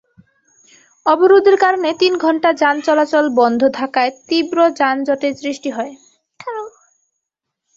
অবরোধের কারণে তিন ঘণ্টা যান চলাচল বন্ধ থাকায় তীব্র যানজটের সৃষ্টি হয়।